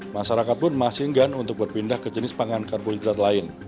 masyarakat pun masih enggan untuk berpindah ke jenis pangan karbohidrat lain